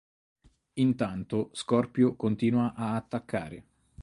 Intanto, Scorpio continua a attaccare.